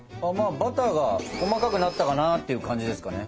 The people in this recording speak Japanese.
バターが細かくなったかなっていう感じですかね。